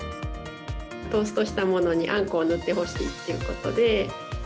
トーストしたものに、あんこを塗ってほしいっていうことで。